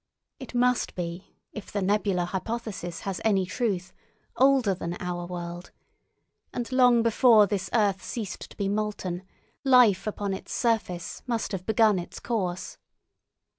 It must be, if the nebular hypothesis has any truth, older than our world; and long before this earth ceased to be molten, life upon its surface must have begun its course.